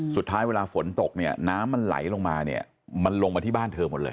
สุดท้ายเวลาฝนตกเนี่ยน้ำมันไหลลงมาเนี่ยมันลงมาที่บ้านเธอหมดเลย